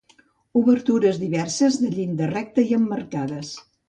Obertures diverses de llinda recta i emmarcades.